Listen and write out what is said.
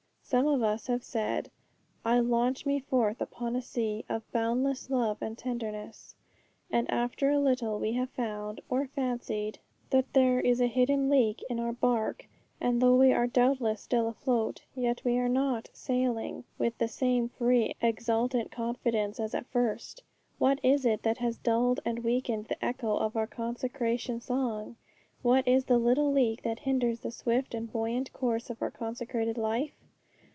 Some of us have said: 'I launch me forth upon a sea Of boundless love and tenderness;' and after a little we have found, or fancied, that there is a hidden leak in our barque, and though we are doubtless still afloat, yet we are not sailing with the same free, exultant confidence as at first. What is it that has dulled and weakened the echo of our consecration song? what is the little leak that hinders the swift and buoyant course of our consecrated life?